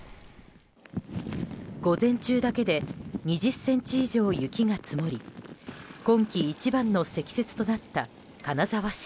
午前中だけで２０ｃｍ以上、雪が積もり今季一番の積雪となった金沢市。